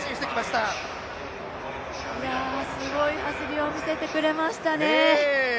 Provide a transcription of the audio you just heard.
いや、すごい走りを見せてくれましたね。